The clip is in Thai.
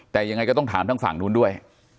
แต่ยังไงก็ต้องถามทางฝั่งนู้นด้วย